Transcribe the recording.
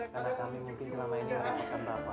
karena kami mungkin selama ini merampokkan bapak